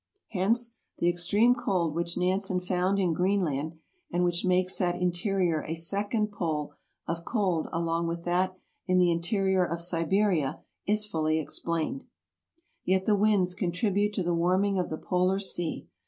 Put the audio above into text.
Hence AMERICA 95 the extreme cold which Nansen found in Greenland, and which makes that interior a second pole of cold along with that in the interior of Siberia, is fully explained. Yet the winds contribute to the warming of the polar sea.